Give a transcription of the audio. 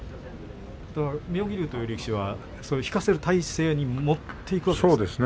妙義龍という力士は、引かせる体勢に持っていくわけですね。